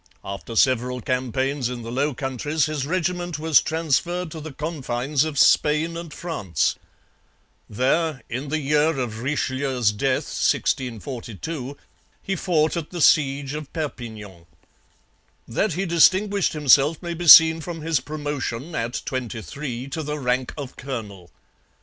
After several campaigns in the Low Countries his regiment was transferred to the confines of Spain and France. There, in the year of Richelieu's death (1642), he fought at the siege of Perpignan. That he distinguished himself may be seen from his promotion, at twenty three, to the rank of colonel.